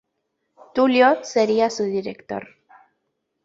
Tulio sería su director.